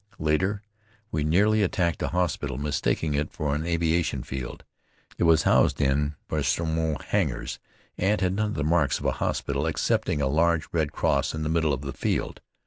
Later we nearly attacked a hospital, mistaking it for an aviation field. It was housed in bessonneau hangars, and had none of the marks of a hospital excepting a large red cross in the middle of the field.